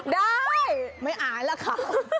ได้ไม่อายล่ะค่ะ